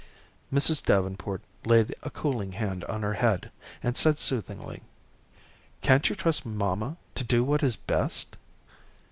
Mrs. Davenport laid a cooling hand on her head, and said soothingly: "Can't you trust mamma to do what is best?"